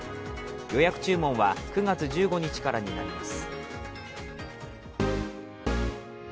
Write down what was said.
予約注文は９月１５日からになります。